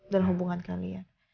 dalam hubungan kalian